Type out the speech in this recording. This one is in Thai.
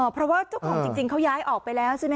เพราะว่าเจ้าของจริงเขาย้ายออกไปแล้วใช่ไหม